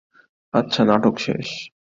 আচ্ছা, নাটক শেষ।